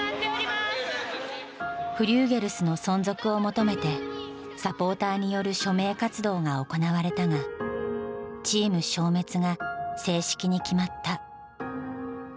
フリューゲルスの存続を求めてサポーターによる署名活動が行われたがチーム消滅が正式に決まった。